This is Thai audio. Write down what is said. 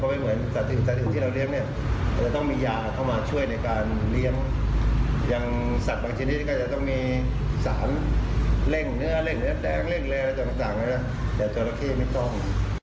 มันเลี้ยงอย่างสัตว์บางชนิดก็จะต้องมีสารเล่งเนื้อเล่งเนื้อแดงเล่งเลี้ยงต่างเนื้อจอละเข้ไม่ต้อง